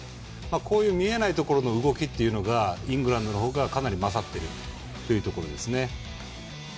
こういう見えないところの動きっていうのがイングランドの方が、かなり勝っているというところですね。